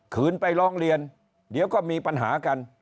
คืนไปร้องเรียนเดี๋ยวก็มีปัญหากัน